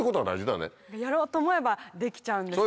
やろうと思えばできちゃうんですね。